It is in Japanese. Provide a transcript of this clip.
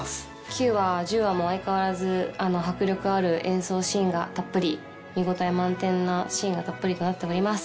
９話１０話も相変わらず迫力ある演奏シーンがたっぷり見応え満点なシーンがたっぷりとなっております。